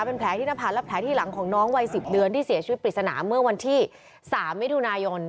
เป็นแผลที่หน้าผากและแผลที่หลังของน้องวัย๑๐เดือนที่เสียชีวิตปริศนาเมื่อวันที่๓มิถุนายน